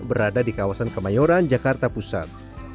berada di kawasan kemayoran jakarta pusat